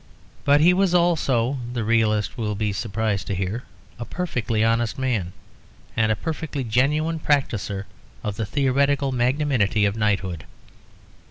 But he was also, the realist will be surprised to hear, a perfectly honest man, and a perfectly genuine practiser of the theoretical magnanimity of knighthood.